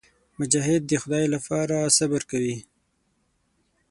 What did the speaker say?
مجاهد د خدای لپاره صبر کوي.